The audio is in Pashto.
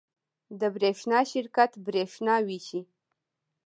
د برښنا شرکت بریښنا ویشي